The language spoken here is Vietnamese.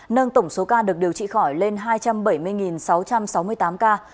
nâng tổng số ca được điều trị khỏi lên hai trăm bảy mươi sáu trăm sáu mươi tám ca